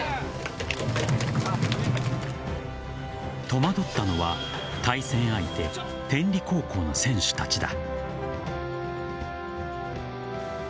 戸惑ったのは対戦相手、天理高校の選手たちだ。